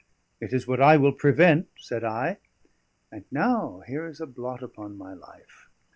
"It is what I will prevent," said I. And now here is a blot upon my life.